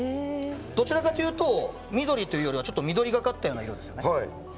どちらかというと緑というよりは緑がかったような色ですよね。